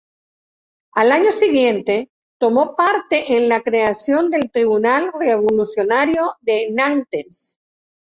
Al año siguiente, tomó parte en la creación del Tribunal revolucionario de Nantes.